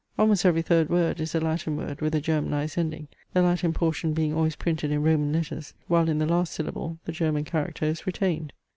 Almost every third word is a Latin word with a Germanized ending, the Latin portion being always printed in Roman letters, while in the last syllable the German character is retained.